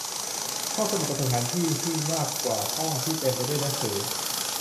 ห้องสมุดเป็นสถานที่ที่มากกว่าห้องที่เต็มไปด้วยหนังสือ